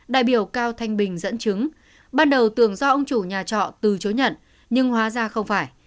đại biểu cao thanh bình dẫn chứng ban đầu tường do ông chủ nhà trọ từ chối nhận nhưng hóa ra không phải